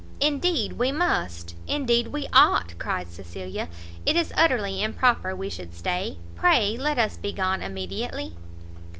"Indeed we must! indeed we ought!" cried Cecilia; "it is utterly improper we should stay; pray let us be gone immediately."